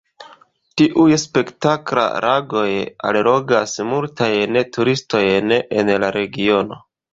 Tiuj spektakla lagoj allogas multajn turistojn en la regiono.